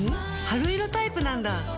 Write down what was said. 春色タイプなんだ。